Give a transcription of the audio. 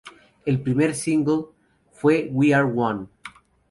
El primer single fue We Are One.